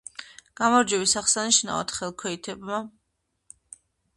გამარჯვების აღსანიშნავად ხელქვეითებმა